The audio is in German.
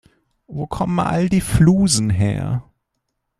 Wo kommen all die Flusen her?